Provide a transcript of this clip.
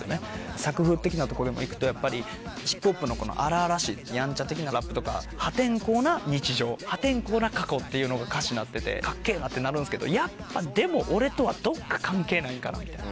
作風的なとこでも行くとやっぱりヒップホップの荒々しいヤンチャ的なラップとか破天荒な日常破天荒な過去っていうのが歌詞になっててカッケェなってなるんですけどやっぱでも俺とはどっか関係ないんかなみたいな。